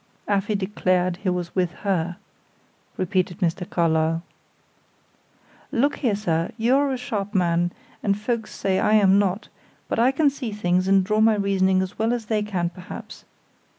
"Afy declared he was with her," repeated Mr. Carlyle. "Look here, sir, you are a sharp man, and folks say I am not, but I can see things and draw my reasoning as well as they can, perhaps.